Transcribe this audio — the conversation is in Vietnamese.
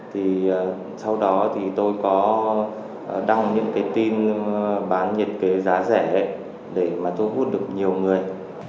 thì sau đó thì tôi có đăng những cái tin bán nhiệt kế giá rẻ để mà thu hút được nhiều người